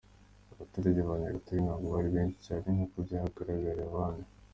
Abaturage ba Nyagatare ntabwo bari benshi cyane nk’uko byagaragaye ahandi.